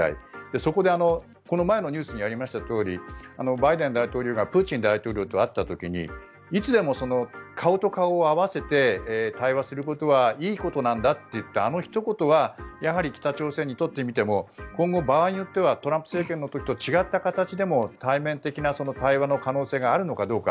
そこでこの前のニュースにありましたとおりバイデン大統領がプーチン大統領と会った時にいつでも顔と顔を合わせて対話することはいいことなんだと言ったあのひと言はやはり北朝鮮にとってみても今後、場合によってはトランプ政権の時と違った形でも対面的な対話の可能性があるかどうか。